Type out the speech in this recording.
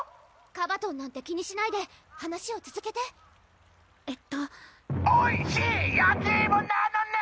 カバトンなんて気にしないで話をつづけてえっと「おいしいやきいもなのねん！」